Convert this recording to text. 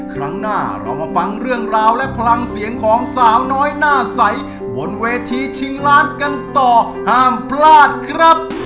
ครั้งหน้าเรามาฟังเรื่องราวและพลังเสียงของสาวน้อยหน้าใสบนเวทีชิงล้านกันต่อห้ามพลาดครับ